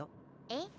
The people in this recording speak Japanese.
えっ？